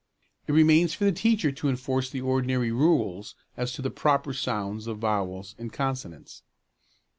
It remains for the teacher to enforce the ordinary rules as to the proper sounds of vowels and consonants.